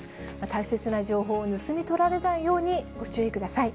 大切な情報を盗み取られないように、ご注意ください。